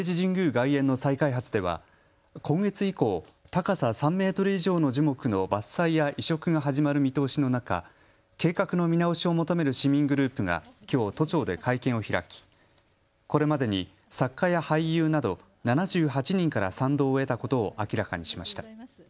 外苑の再開発では今月以降、高さ３メートル以上の樹木の伐採や移植が始まる見通しの中、計画の見直しを求める市民グループがきょう都庁で会見を開きこれまでに作家や俳優など７８人から賛同を得たことを明らかにしました。